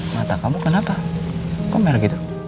mata kamu kenapa kok merah gitu